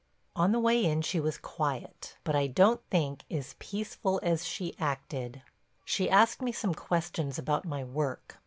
On the way in she was quiet, but I don't think as peaceful as she acted. She asked me some questions about my work.